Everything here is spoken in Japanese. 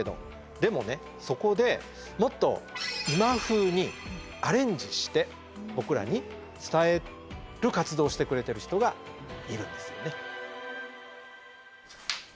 でもねそこでもっと今風にアレンジして僕らに伝える活動をしてくれてる人がいるんですよね。